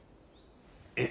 え。